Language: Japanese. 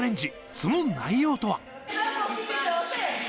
その内容とは。